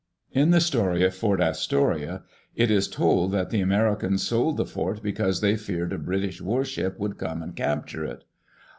In the story of Fort Astoria, it is told that the Ameri cans sold the fort because they feared a British warship would come and capture it.